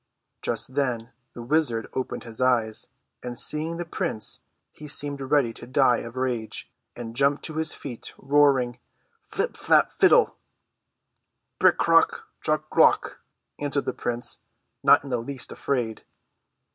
Just then the wizard opened liis eyes, and seeing the prince he seemed ready to die of rage, and jumped to his feet roaring, Flip ! flap! fliddle !" ^^Brek kock! jock lock !" answered the prince, not in the least afraid.